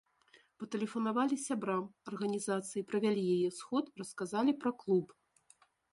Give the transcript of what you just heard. Патэлефанавалі сябрам арганізацыі, правялі яе сход, расказалі пра клуб.